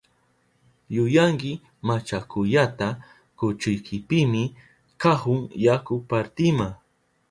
¡Yuyanki machakuyata kuchuykipimi kahun yaku partima!